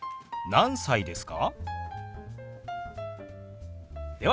何歳ですか？